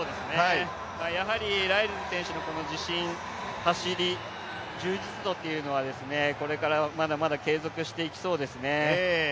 やはりライルズ選手の自信、走り、充実度というのはこれからまだまだ継続していきそうですね。